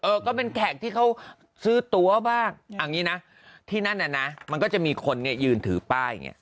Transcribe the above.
ก็เป็นแขกที่เขาซื้อตัวบ้างเอางี้นะที่นั่นน่ะนะมันก็จะมีคนเนี่ยยืนถือป้ายอย่างเงี้